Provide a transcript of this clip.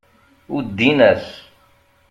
Uddin-as.